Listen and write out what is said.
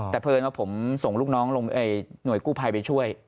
แต่เพลินว่าผมส่งหน่วยกู้ภัยไปช่วย